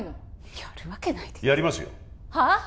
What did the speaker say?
やるわけないでしょやりますよはあっ！？